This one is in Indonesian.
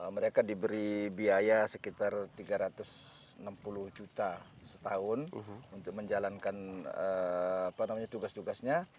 mereka diberi biaya sekitar tiga ratus enam puluh juta setahun untuk menjalankan tugas tugasnya